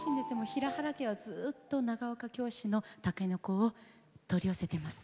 平原家は、ずっと長岡京市のたけのこを取り寄せてます。